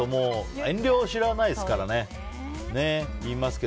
遠慮知らないですからね。